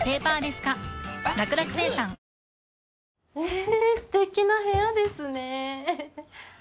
すてきな部屋ですね。